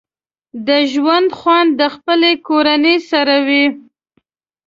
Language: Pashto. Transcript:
د ژوند خوند د خپلې کورنۍ سره وي